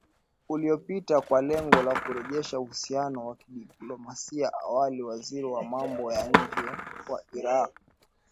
uliopita kwa lengo la kurejesha uhusiano wa kidiplomasia Awali waziri wa mambo ya nje wa Iraq